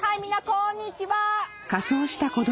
こんにちは！